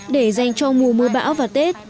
để dành cho mùa mưa bão và tết